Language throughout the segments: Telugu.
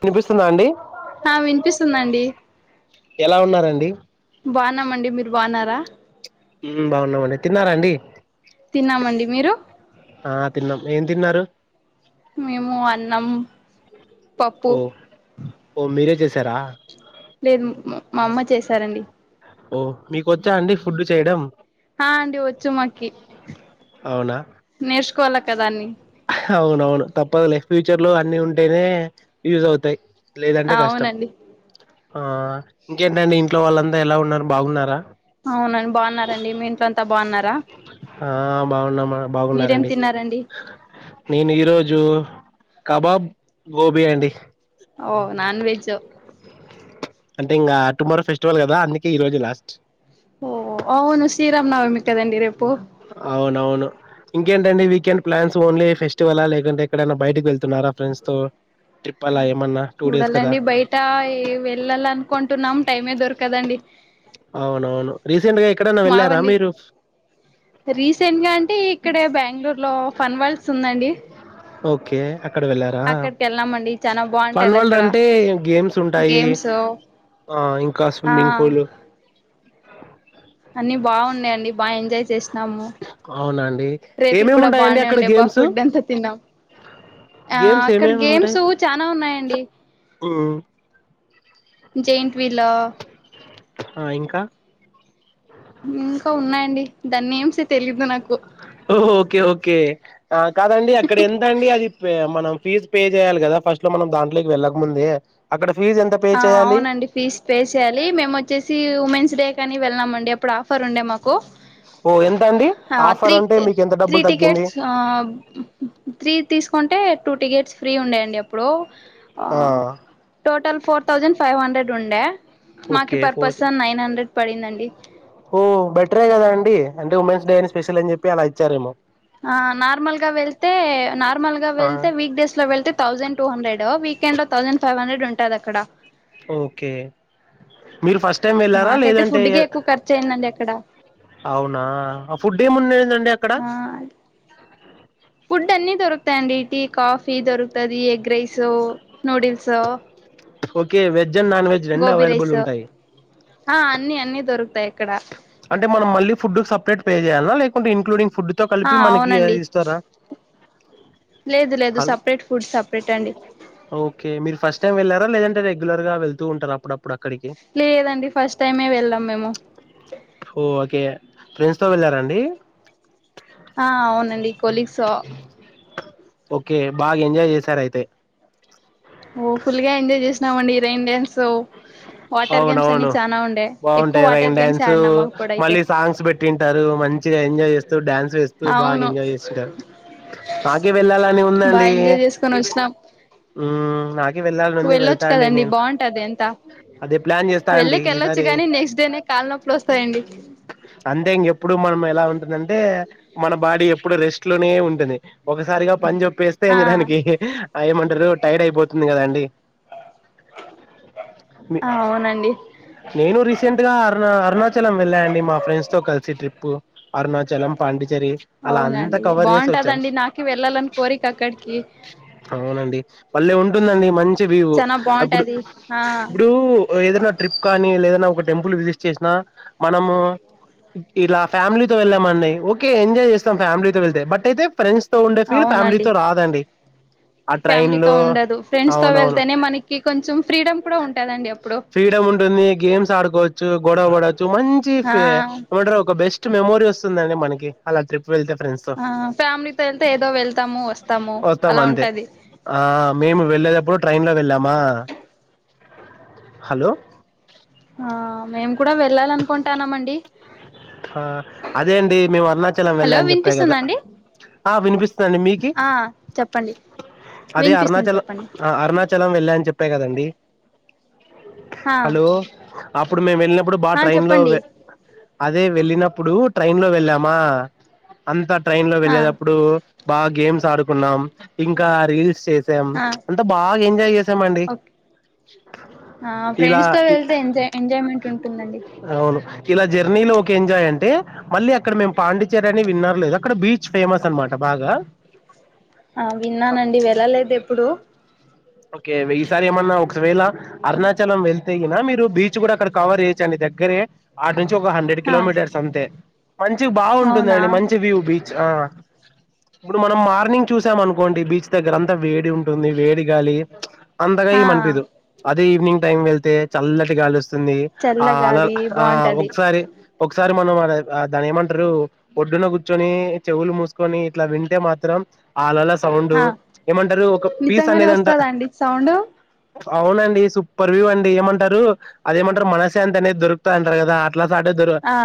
వినిపిస్తుందా అండి ఆ వినిపిస్తుందండి ఎలా ఉన్నారండి ఇ బాగున్నామండి మీరు బాగున్నారా మ్ బాగున్నామండి తిన్నారా అండి తిన్నామండి మీరు ఆ తిన్నాం ఏం తిన్నారు మేము అన్నం పప్పు ఓ ఓ మీరే జే తెరా లేదు మ మా అమ్మ చేశారండి ఓ మీకు వచ్చా అండి ఫుడ్డు చేయడం ఆ అండి వచ్చు మాకి అవునా నేర్చుకోవాలి కదా అన్ని అవునవును తప్పదులే ఫ్యూచర్ లో అన్ని ఉంటేనే యూస్ అవుతాయి లేదంటే కష్టం అవునండి ఆ ఇంకేంటండి ఇంట్లో వాళ్ళంతా ఎలా ఉన్నారు బాగున్నారా అవునండి బాగున్నారండి మీ ఇంట్లో అంత ఆ బాగున్నామా మీరేం బాగున్నారండి తిన్నారండి నేను ఈరోజు కబాబ్, గోబి అండి ఓ నాన్ వెెజు అంటే ఇంకా టుమారో ఫెస్టివల్ కదా అందుకే ఈ రోజే లాస్ట్ ఓ అవును శ్రీరామనవమి కదండి రేపు అవునవును ఇంకేంటండి వీకెండ్ ప్లాన్స్ ఓన్లీ ఫెస్టివలా లేకంటే ఎక్కడైనా బయటకి వెళ్తున్నారా ఫ్రెండ్స్ తో ట్రిప్ అలా ఏమన్నా టూ డేస్ కదా చూడాలండి బయట వెళ్ళాలన్ కొంటున్నాం టైమే దొరకదండి అవునవును రీసెంట్ గా ఎక్కడైనా వెళ్ళారా మావన్ని మీరు రీసెంట్ గా అంటే ఇక్కడే బెంగళూరు లో ఫన్వాల్స్ ఉందండి కే అక్కడ వెళ్ళారా అక్కడికి వెళ్ళామండి చానా ఫన్ బాగుంటది వల్డ్ అక్కడ అంటే గేమ్స్ ఉంటాయి గేమ్స్ ఆ ఇంకా ఆ స్విమ్మింగ్ పూల్ అన్ని బాగున్నాయియండి బా ఎంజాయ్ చేస్ తన్నాము అవునా అండి రేట్లు ఏమేమి కూడా ఉంటాయండి బానే అక్కడ ఉండే బా గేమ్స్ ఫుడ్ ఎంత తిన్నాం ఆ గేమ్స్ అక్కడ ఏమేమి గేమ్స్ ఉంటాయి చనా ఉన్నాయండి ఉమ్ జైంట్ వీల్ ఒ ఆ ఇంకా ఇంకా ఉన్నాయండి దాన్ని నేమ్స్ తెలీదు నాకు ఓ, ఓకే ఓకే ఆ కాదండి అక్కడ ఎంతండి అది పె మనం ఫీజ్ పే చేయాలి కదా ఫస్ట్ లో మనం దాంట్లోకి వెళ్ళకముందే అక్కడ ఫీజు ఎంత పే ఆ చేయాలి అవునండి ఫీజ్ పే చేయాలి మేము వచ్చేసి ఉమెన్స్ డే కనీ వెళ్ళామండి అప్పుడు ఆఫర్ ఉండే మాకు ఓ ఎంత అండి హ ఆఫర్ త్రీ అంటే మీకు ఎంత త్రీ డబ్బులు తగ్గింది టికెట్స్ ఆ త్రీ తీసుకుంటే టూ టికెట్స్ ఫ్రీ ఉండేయండి అప్పుడు ఆ total four thousand five hundred ఉండే మాకి okay per four person nine hundred పడిందండి ఓ బెటరే కదా అండి అంటే ఉమెన్స్ డే అని స్పెషల్ అని జెప్పి అలా ఇచ్చారెమో ఆ నార్మల్ గా వెళ్తే నార్మల్ గా ఆ వెళ్తే వీక్ డేస్ లో వెళ్తే థౌజండ్ టూ హండ్రెడ్ వీకెండ్ లో థౌజండ్ ఫైవ్ హండ్రె డుంటాది అక్కడ ఓకే మీరు ఫస్ట్ టైం వెళ్ళారా మాకైతే లేదంటే ఫుడ్ కే ఎక్కువ ఖర్చు అయిందండి అక్కడ అవునా ఆ ఫుడ్ ఏముండేదండి అక్కడ ఆ తే అండి టీ కాఫీ దొరుకుతది ఎగ్ రైస్ నూడిల్సొ okay veg and non veg రెండు గోబి అవైలబుల్ రైస్ ఉంటాయి ఆ అన్ని అన్ని దొరుకుతాయి ఇక్కడ అంటే మనం మళ్ళీ ఫుడ్ సపరేట్ పే జేయాల్నా లేకుంటే ఇన్క్లూడింగ్ ఫుడ్ తో ఆ కలిపి మనకి అవునండి ఇస్తారా లేదు లేదు హ సపరేట్ ఫుడ్ సపరేట్ అండి ఓకే మీరు ఫస్ట్ టైం వెళ్ళారా లేదంటే రెగ్ రెగ్యులర్ గా వెళ్తు ఉంటార అప్పుడప్పుడా లేదండి ఫస్ట్ టైమే వెళ్ళాం మేము ఓ ఓకే ప్రెండ్స్ తో వెళ్ళార అండి ఆ అవునండి కొలిగ్సో ఓకే బాగా ఎంజాయ్ జేసారయితే ఓ ఫుల్ గా ఎంజాయ్ చేసినాం అండి రెయిన్ డాన్స్ అవునవును ఎక్కువ బాగుంటయి వాటర్ రైన్ గేమ్స్ డ్యాన్సు ఆడినాం అప్పుడైతే మళ్ళీ సాంగ్స్ పెట్టి వింటారు మంచిగ ఎంజాయ్ చేస్తూ డ్యాన్స్ చేస్తూ బాగా అవును ఎంజాయ్ చేస్తుంటారు నాకే వెళ్ళాలని బాగా ఉందండి ఎంజాయ్ చేసుకొని వచ్చినాం ఊమ్ నాకే వెళ్ళాలని ఉంది వెళ్ళొచ్చు వెళ్తాండి కదండి నేను బాగుంటది అంతా అదే ప్లాన్ చేస్తా అండి వెళ్ళకి వెళ్ళొచ్చు ఈసారి కాని నెక్స్ట్ డేనే కాళ్ళ నొప్పులు వస్తాయండి అంతే ఇంకెప్పుడు మనం ఎలా ఉంటదంటే మన బాడీ ఎప్పుడు రెస్ట్ లోనే ఉంటుంది ఒకసారిగా పని జెప్ పేస్తే ఆ ఇంగ దానికి ఆ ఏమంటరు టైర్డ్ అయిపోతుంది కదా అండి అవునండి నేను రీసెంట్గా అరుణ అరుణాచలం వెళ్ళా అండి మా ఫ్రెండ్స్తో కలిసి ట్రిప్పు అరుణాచలం పాండిచెరి అలా అంత అవునండి కవర్ జేసీ ఒచ్చాం బాగుంటదండి నాకు వెళ్ళాలని కోరిక అక్కడికి అవునండి భలే ఉంటుందండి మంచి వ్యూ చానా అప్పుడు బాగుంటది ఆ ఇప్పుడు ఏదైనా ట్రిప్ కానీ లే ఏదనా ఒక టెంపుల్ విజిట్ చేసినా మనము ఇలా ఫ్యామిలీతో వెళ్ళామండి ఓకే ఎంజాయ్ జేస్తాం ఫ్యామిలీతో వెళ్తే బట్ అయితే ఫ్రెండ్స్ తో ఉండే ఫీల్ అవునండి ఫ్యామిలీతో రాదండి ఆ ట్రైన్ ఫ్యామిలీతో లో ఉండదు ఫ్రెండ్స్ తో అవునవును వెళ్తేనే మనకి కొంచెం ఫ్రీడమ్ కూడా ఉంటదండి అప్పుడు ఫ్రీడమ్ ఉంటుంది గేమ్స్ ఆడుకోవచ్చు గొడవ పడచ్చు మంచి ఆ ఫె ఏమంటరు ఒక బెస్ట్ స్ట్ మెమోరీ వస్తుందండి మనకి అలా ట్రీప్ వెళ్తే ఫ్రెండ్స్తో ఆ ఫ్యామిలీతో వెళ్తే ఏదో వెళ్తాము వస్తాము వస్తాం అలా అంతే ఉంటది ఆ మేము వెళ్ళేటప్పుడు ట్రైన్ లో వెళ్ళామా హలో ఆ మేము కూడా వెళ్ళాలనుకు అనుకుంటానమండి అదే అండి మేము అరుణాచలం వెళ్ళా హలో అని చెప్పా కదా వినిపిస్తుందా అండి ఆ వినిపిస్తుందండి మీకీ ఆ చెప్పండి అదే వినిపిస్తుంది అరుణాచలం చెప్పండి అరుణాచలం వెళ్ళా అని చెప్పా కదండి డి ఆ హలో అప్పుడు మేము వెళ్ళిన ప్పుడు బాగా ఆ ట్రైన్ లో చెప్పండి అదే వెళ్ళినప్పుడు ట్రైన్ లో వెళ్ళామా అంత ట్రైన్ లో ఆ వెళ్ళేటప్పుడు బాగా గేమ్స్ ఆడుకున్నాం ఇంకా రీల్స్ చేస్ సాం అంటె బాగా ఏమ్ ఒకే ఆ ఇలా ఫ్రెండ్స్ తో వెళ్తే ఎంజాయ్ ఎంజాయ్మెంట్ ఉంటుందండి అవును ఇలా జర్నీలో ఒక ఎంజాయ్ అంటే మళ్ళీ అక్కడ మేము పాండిచేరి అని విన్నారో లేదో అక్కడ బీచ్ ఫేమస్ అన్నమాట బాగా ఆ విన్నానండి వెళ్ళలేదు ఎప్పుడు ఓకే వీసారి ఏమన్నా ఒకవేళ అరుణాచలం వెళ్ మీరు బీచ్ గుడక్కడ కవర్ చెయొచ్చండి దగ్గరే నుంచి ఒక హండ్రెడ్ ఆ కిలోమీటర్స్ అంతే మంచిగ అవునా బాగుంటుందండి మంచి వ్యూ బీ ఆ ఇప్పుడు మనం మార్నింగ్ చూసామనుకోండి బీచ్ దగ్గర అంతా వేడి ఉంటుంది వేడి గాలి అందగా ఆ ఈమనిపీదు ఈవినింగ్ టైమ్ వెళ్తే చల్లటి గాలి వస్ తుంది ఆ అలా చల్లగాలి ఆ బాగుంటది ఒకసారి ఒకసా సారి మనం దాని ఏమంటరు ఒడ్డున కుర్చొని చెవులు మూసుకొని ఇట్ల వింటే మాత్రం ఆలళస్ సౌండ్ ఏమంటారు ఒక పీస్ అనేది అంట వస్తాద అండి సౌండు అవునండి సూపర్ వ్యూ అండి ఏమంటారు, అదేమంటారు మనశాంతనేది దొరుకుతా అంటారు గదా అట్లా సాటే దరు ఆ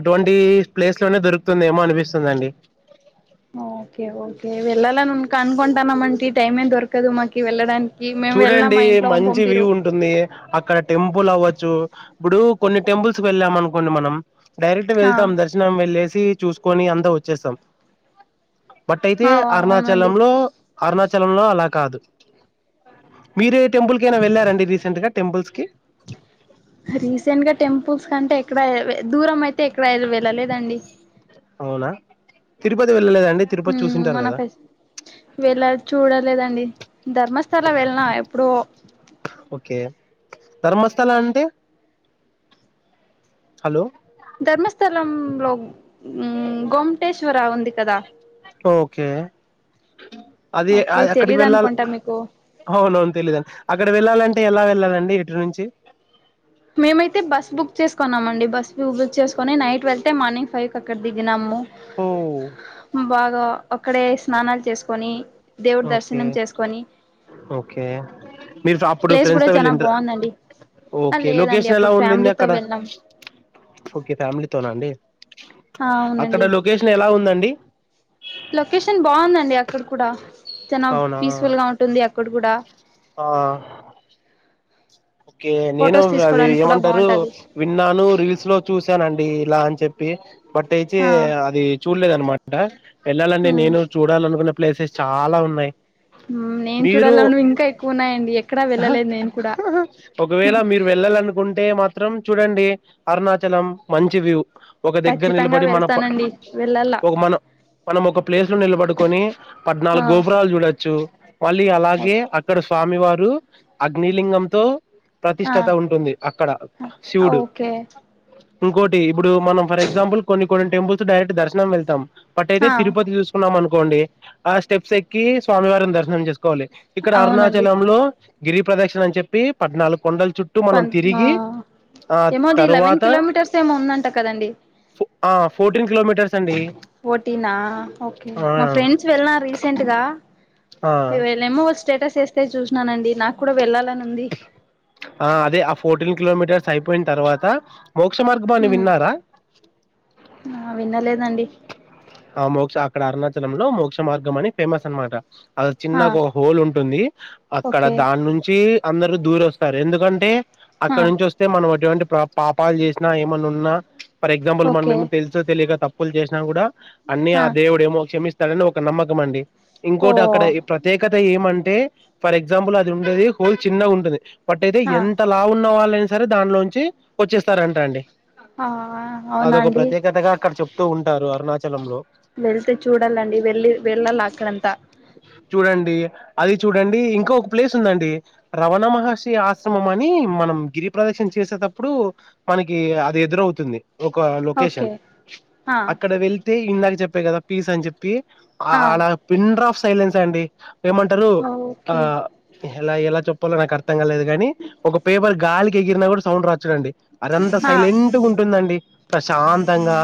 అటువంటి ప్లేస్ లోనే దొరుకుతుందేమో అనిపిస్తుందండి ఓకే ఓకే వెళ్లాలనుంది కనుకోకొంటాన మంటీ టైమే దొరు చూడండి ఇంట్లో మంచి వ్యూ పంపిరు ఉంటుంది అక్కడ టెం పుల్ అవ్వచ్చు ఇప్పుడు కొన్ని టెంపుల్స్ కి వెళ్ళాం అనుకోండి మనం డైరెక్ట్ ఆ వెళ్తాం దర్శనం వెళ్ళేసి ది చూస్కోని అంద వచ్చేసాం బట్టైతే ఆ అవునండి అరుణాచలం లో అరుణా చలంలో అలా కాదు మీరే టెంపుల్కైనా వెళ్ళారండి రీసెంట్ గా టెంపుల్స్ కి రీసెంట్ గా టెంపుల్స్ కంటే క్కడ దూరమైతే ఇక్కడ వెళ్ళలేదండి అవునా తిరుపతి వెళ్ళలేదా హ్మ్ మనఫెస్ వెళ్ళ చూడలేదండి ధర్మస్థలా వెళ్ళిన ఎప్పుడో ఓకే ధర్మస్థల అంటే హలో ధర్మస్థలం లో ఉమ్ గోమటేశ్వర ఉంది కదా ఓకే అది ఓకే అక్కడికి తెలీదు వెళ్ళాల అనుకుంటా మీకు అవునవును తెలీదండి అక్కడ వెళ్ళాలంటే ఎలా లలండి ఇటు నుంచి మేమైతే బస్ బుక్ చేసుకున్నామండి బ స్ బుక్క్ చేసుకొని నైట్ వెళ్తే మార్నింగ్ ఫైవ్ కి అక్కడ దిగినాము. ఓ బాగా ఒక్కడే స్నానాలు చేసుకొని దేవుడి ఓకే దర్శనం చేసుకొని ఇప్పుడు ప్లేస్ ఫ్రెండ్స్ కూడా తో చానా వెళ్ళిండ్ర బాగుందండి ఆ ఓకే లేదండి లొకేషన్ ఎలా అప్పుడు ఉండింది. ఫ్యామిలీతో అక్కడ వెళ్ళాం ఓకే ఫ్యామిలీతోన అండి. ఆ అక్కడ అవునండి లొకేషన్ ఎలా ఉందండి లొకేషన్ బాగుందండి అక్కడ కూడా చన అవునా పీస్ ఫుల్ గా ఉంటుంది అక్ ఆ ఓకే నేను ఫొటోస్ అది తీసుకోవడానికి కూడా ఏమంటరు. బాగుంటది విన్నాను రీల్స్ లో చూసానండి. ఇలాన్ చెప్పి బట్ అయితే ఆ అది చూడలేద్ అనమాట్ ఆ వెళ్లాలండి ఉమ్ నేను చూడాల అనుకున్నం ప్లేసెస్ చాల ఉన్నయ్ ఉమ్ నేను చూడాలను ఇంకా ఎక్కువ ఉన్నాయండి. ఎక్కడా అహ వెళ్ళలేదు నేను కూడా ఒకవేళ మీరు వెళ్ళాలనుకుంటే మాత్రం చూ చూడండి అరుణాచలం మంచి వ్యూ ఒక దగ్గర ఖచ్చితంగా నిలబడి మన ప వెళ్తానండి వెళ్ళాల ఒక మనం మనం ఒక ప్లేస్ లో నిలబడుకున్ కొన్ని ఆ పద్నాలుగు గోపురాలు చూడొచ్చు. మళ్ళీ అలాగే ఓకే అక్కడ స్వామివార్ పుడు అగ్నిలింగంతో ఆ ప్రతిష్టత ఉంటుంది అక్కడ శివుడు ఓకే ఇంకోటి ఇప్పుడు మనం ఫర్ ఎగ్జాంపుల్ కొన్ని కొన్ని టెంపుల్స్ డైరెక్ట్ దర్శనం వెళ్తాం. బట్ అయితే ఆ తిరుపతి చూసుకున్నాం అను కోండి ఆ స్టెప్స్ ఎక్కి స్వామివారిని దర్శనం చేసుకో కోవాలి ఇక్కడ అవునండి అరుణాచలం లో గిరి ప్రదక్షిణ అని చెప్పి పద్నాలు పన్ ఆ ఆ ఏమోది లెవెన్ తరువాత కిలోమీటర్స్ ఏమో ఉందంట కదండి. ఆ ఫోర్టీన్ కిలోమీట్ ఫోర్టీనా ఓకే ఆ మా ఫ్రెండ్స్ వెళ్లార రీసెంట్గా ఆ ఇవేలేమో స్టేటస్ వస్తే చూసిననండి నాకు కూడా వెళ్లలను ఆ అదే ఆ ఫోర్టీన్ కిలోమీటర్స్ అయిపోయిన తర్వాత మోక్షమార్గం అని హ్మ్ విన్నారా ఆ వినలేదండి ఆ మోక్ష అక్కడ అరుణాచలం లో మోక్ష మార్గం అని ఫేమస్ అనమాట అ ఆ చిన్న ఒక హోల్ ఉంటుంది అక్కడ ఓకే దాని నుంచి అందరుూ దూర వస్తారు ఎందుకంటే ఆ అక్కడ నుంచి వస్తే మనం ఎటువంటి పాపాలు చేసినా ఏమన్నా ఉన్నా ఫర్ ఎక్సమ్ప్లె ఓకే మనమేనా తెలిసో తెలీకో తప్పు తప్పులు చేసినా కూడా అన్ని ఆ దేవుడు ఏమో క్షమిస్త తడని ఒక నమ్మకం అండి ఓ ఇంకోటి అక్కడ ఈ ప్రత్యేకత ఏమంటే అంటే ఫర్ ఎగ్జాంపుల్ అది ఉండేది హోల్ చిన్నగా ఉంటది పట్టైతే ఆ ఎంత లావు ఉన్న వాళ్ళు సరే దానిలోంచి వచ్చేస్తారంటాండి ఆ అవునాండి అక్కడ చెప్తూ ఉంటారు అ స్థలంలో వెళ్తే చూడాలండి వెళ్ళి వెళ్ళాలి అక్కడంతా చూడండి అది చూడండి ఇంకొక ప్లేస్ ఉందండి రవణ మహర్షి ఆశ్రమం అని మనం గిరి ప్రదక్షిణ చేసేటప్పుడు మనకి అది ఎదురవుతుంది ఒక ఓకే లొకేషన్ ఆ అక్కడ వెళ్ తే ఇందక చెప్పాను కదా పీస్ అని చెప్పి ఆ ఆలా పిండ్రాప్ సైలెన్స్ అండి ఏమంటారు ఆ ఓకే ఎలా ఎలా చెప్పాలో నాకు అర్థం కాలేదుగాని ఒక పేపర్ గాలికి ఎగిరినా కూడా సౌండ్ రాచ్చుడండి అదంతా ఆ సైలెంట్గా ఉంటుందండి ప్రశాంతంగా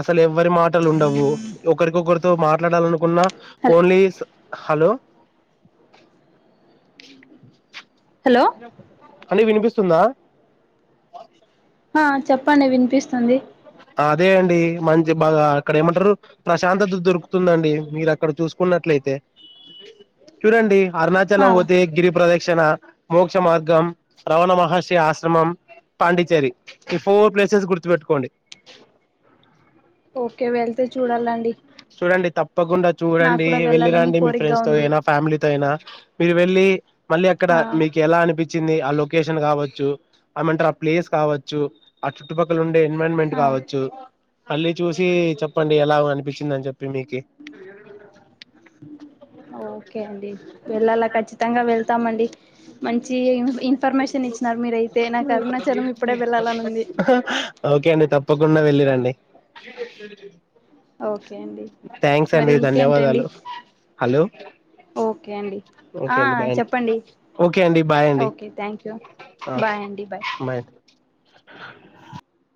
అసలు ఎవరి మాట ఉండవు ఒకరికొకరు తో మాట్లాడాలనుకున్నా హల్ ఓన్లీస్ హలో హలో చెప్పండి అండి వినిపిస్తుందా ఆ చెప్పండి వినిపిస్తుంది వినిపిస్తుంది అదే అండి మంచి బాగా అక్కడ ఏమంటారు ప్రశాంతత దొరుకుతుందండి మీరు అక్కడ చూసుకున్నట్లయితే చూడండి ఆ అరుణాచలం పోతే గిరి ప్రదిక్షణ అరుణాచలం మోక్ష మార్గం రమణ మహర్షి ఆశ్రమం పాండిచ్చేరి ఈ ఫోర్ ప్లేసెస్ గురించి గుర్తు పెట్టుకోండి ఓకే వెళ్తే చూడాలండి చూడండి తప్పక తప్పకుండా నాకు చూడండి కూడా వెళ్ళి వెళ్ళాలని రండి మీ కోరికగా ఫ్రెండ్స్ తో ఉంది అయినా ఫ్యామిలీతో అయినా మీరు వెళ్ళి మళ్ళీ అక్కడ ఆ మీకు ఎలా అనిపించిన ఎలా అనిపించింది లొకేషన్ కావొచ్చు ఏం మంటారు ఆ ప్లేస్ కావొచ్చు ఆ చుట్టూ పక్కల ఇన్వాల్వ్మెంట్ ఆ కావచ్చు అన్నీ చూసి చెప్పండి ఎలా అనిపించింది తిన్నాను చెప్పు ఓకే అండి వెళ్ళాలా కచ్చితంగా వెళ్తామండి మంచి ఇన్ఫర్మేషన్ ఇచ్చినారు మీరయితే నాకు అరుణాచలం ఇప్పుడే వెళ్ళాలని ఉంది తప్పకుండ వెళ్ళిరండి ఓకే అండి థ్యాంక్స్ మరి అండి ఇంకేంటండి ధన్యవాదాలు హలో ఓకే అండి ఓకే ఆ అండి బాయ్ అండి చెప్పండి ఓకే అండి బాయ్ అండి ఓకే థ్యాంక్ యూ ఆ బాయ్ అండి బాయ్ ఫోర్ సౌండ్